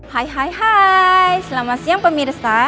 hai hai hai selamat siang pemirsa